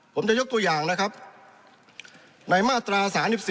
ผมจะยกตัวอย่างนะครับในมาตรา๓๔